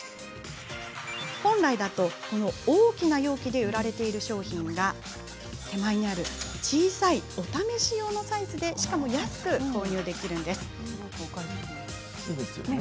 本来だと大きな容器で売られている商品が小さいお試し用のサイズで安く購入できるんです。